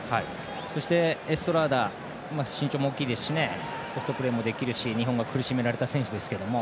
そしてエストラーダ身長も大きいですしポストプレーもできて日本が苦しめられた選手ですが。